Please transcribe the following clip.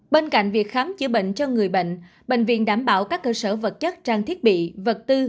bên cạnh việc khám chữa bệnh cho người bệnh bệnh viện đảm bảo các cơ sở vật chất trang thiết bị vật tư